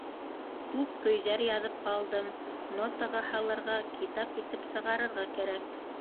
Күп көйҙәр яҙып алдым - нотаға һалырға, китап итеп сығарырға кәрәк...